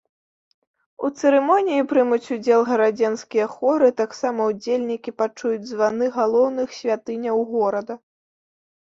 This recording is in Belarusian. У цырымоніі прымуць удзел гарадзенскія хоры, таксама ўдзельнікі пачуюць званы галоўных святыняў горада.